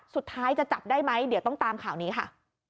สุดท้ายจะจับได้ไหมเดี๋ยวต้องตามข่าวนี้ค่ะ